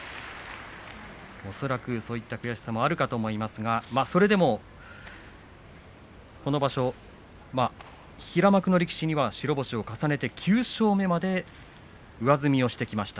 そういう悔しさもあると思いますがこの場所、平幕の力士には白星を重ねて９勝目まで上積みをしてきました。